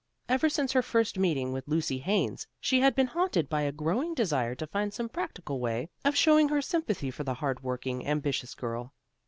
Ever since her first meeting with Lucy Haines she had been haunted by a growing desire to find some practical way of showing her sympathy for the hard working, ambitious girl.